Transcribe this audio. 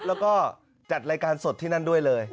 แล้วก็จัดรายการสดที่นั่นด้วยเลย